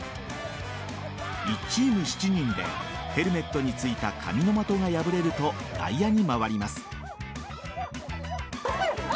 １チーム７人でヘルメットについた紙の的が破れると外野へ回ります。